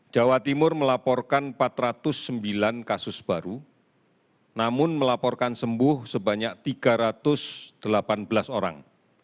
jawa timur melaporkan empat ratus sembilan kasus baru namun melaporkan sembuh sebanyak tiga ratus delapan belas orang